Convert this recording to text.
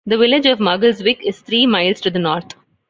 The village of Muggleswick is three miles to the north.